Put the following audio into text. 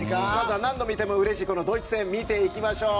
何度見てもうれしいドイツ戦を見ていきましょう。